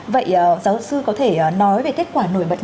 vậy giáo sư có thể nói về kết quả nổi bật